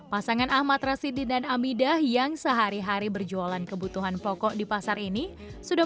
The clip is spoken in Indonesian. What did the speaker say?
pasangan ahmad rasidin dan amidah yang sehari hari berjualan kebutuhan pokok di pasar ini sudah